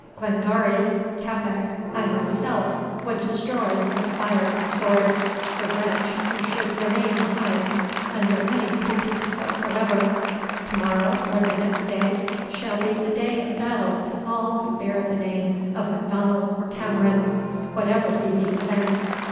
Glengarry Keppoch I myself would destroy, with fire and sword, the wretch who should remain behind under any pretence whatsoever. To morrow, or the next day, shall be a day of battle to all who bear the name of M'Donnell or Cameron, whatever be the event."